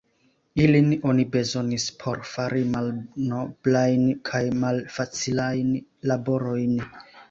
Ilin oni bezonis por fari malnoblajn kaj malfacilajn laborojn.